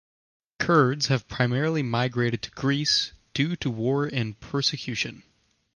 Kurds have primarily migrated to Greece due to war and persecution.